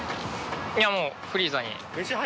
いやもうフリーザに。